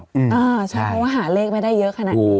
ใช่เพราะว่าหาเลขไม่ได้เยอะขนาดนี้